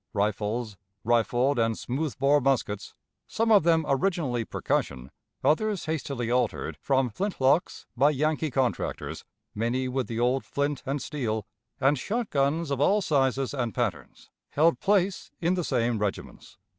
Rifles, rifled and smooth bore muskets some of them originally percussion, others hastily altered from flint locks by Yankee contractors, many with the old flint and steel and shot guns of all sizes and patterns, held place in the same regiments.